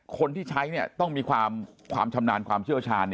คนที่ใช้ต้องมีความชำนาญความเชี่ยวชาญ